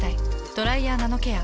「ドライヤーナノケア」。